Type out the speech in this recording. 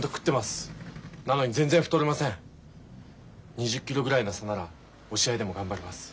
２０キロぐらいの差なら押し合いでも頑張れます。